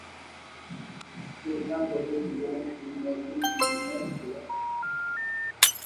পেশাগত জীবনে তিনি একজন ইঞ্জিনিয়ার ছিলেন।